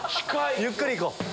ゆっくりいこう。